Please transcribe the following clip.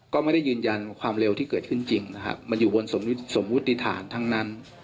ก็ไม่ได้ยืนยันความเร็วที่เกิดขึ้นจริงนะครับมันอยู่บนสมมุติฐานทั้งนั้น